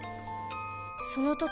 その時